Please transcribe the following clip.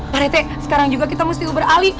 parete sekarang juga kita mesti uber ali